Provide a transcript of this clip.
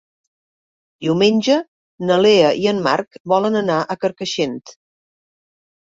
Diumenge na Lea i en Marc volen anar a Carcaixent.